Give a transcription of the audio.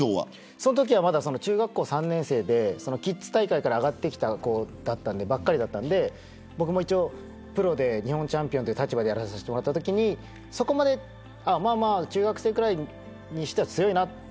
そのときは中学校３年生でキッズ大会から上がってきたばっかりだったので、僕も一応プロで、日本チャンピオンという立場でやらせてもらったときにまあまあ中学生くらいにしては強いなって。